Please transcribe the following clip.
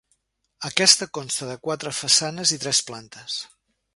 Aquesta consta de quatre façanes i tres plantes.